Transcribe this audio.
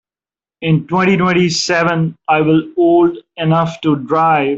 In twenty-twenty-seven I will old enough to drive.